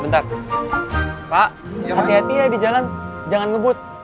pak hati hati ya di jalan jangan ngebut